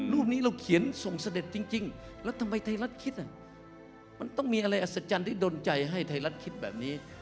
รูปนี้เราเขียนส่งเสด็จจริงแล้วทำไมไทยรัฐคิดมันต้องมีอะไรอัศจรรย์ที่ดนใจให้ไทยรัฐคิดแบบนี้